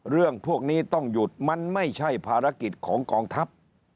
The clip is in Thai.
เรื่องพวกนี้ต้องหยุดมันไม่ใช่ภารกิจของกองทัพ